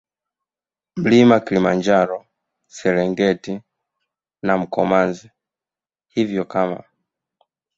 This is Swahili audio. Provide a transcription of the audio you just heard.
Mlima Kilimanjaro Serengeti na Mkomazi Hivyo kama